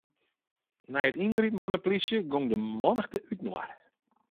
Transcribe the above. Nei it yngripen fan 'e plysje gong de mannichte útinoar.